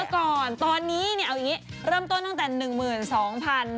๑๒หมดก่อนตอนนี้เริ่มต้นตั้งแต่๑หมื่น๒๐๐๐บาทเมื่อก่อน